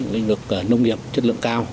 lĩnh vực nông nghiệp chất lượng cao